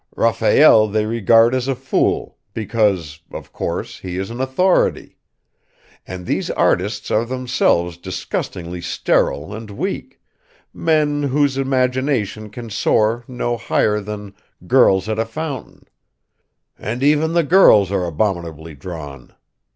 Raphael they regard as a fool, because, of course, he is an authority; and these artists are themselves disgustingly sterile and weak, men whose imagination can soar no higher than Girls at a Fountain and even the girls are abominably drawn!